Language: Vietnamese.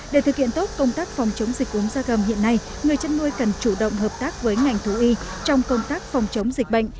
để thực hiện tốt công tác phòng chống dịch uống gia cầm hiện nay người chăn nuôi cần chủ động hợp tác với ngành thú y trong công tác phòng chống dịch bệnh